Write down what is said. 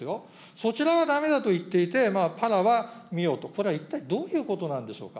そちらはだめだと言っていて、パラは見ようと、これは一体どういうことなんでしょうか。